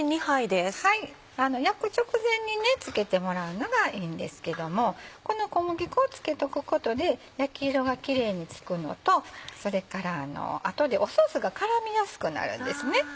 焼く直前に付けてもらうのがいいんですけどもこの小麦粉を付けとくことで焼き色がキレイにつくのとそれから後でソースが絡みやすくなるんですね。